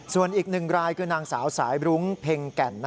ส่วนอีกหนึ่งรายคือนางสาวสายรุ้งเพ็งแก่น